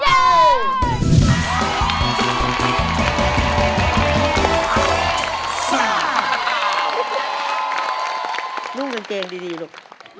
นุ่มสังเกณฑ์ดีลูก